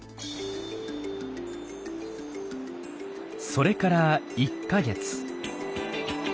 それから１か月。